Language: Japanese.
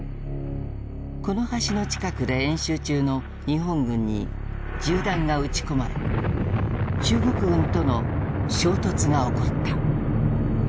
この橋の近くで演習中の日本軍に銃弾が撃ち込まれ中国軍との衝突が起こった。